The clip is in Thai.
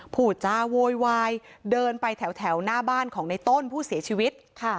ผู้จาโวยวายเดินไปแถวหน้าบ้านของในต้นผู้เสียชีวิต